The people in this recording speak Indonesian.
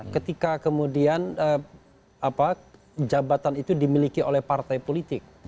ketika kemudian jabatan itu dimiliki oleh partai politik